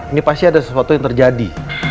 ini pasti ada sesuatu yang terjadi